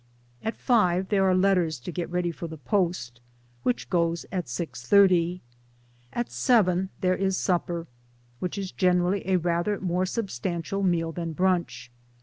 At 5.0 there are letters to get ready for the post, which goes at 6.30. At 7.0 there is supper, which is generally a rather more substantial meal than brunch.